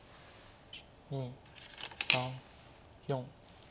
２３４。